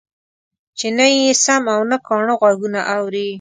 چې نه يې سم او نه کاڼه غوږونه اوري.